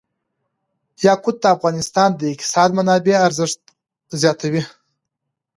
یاقوت د افغانستان د اقتصادي منابعو ارزښت زیاتوي.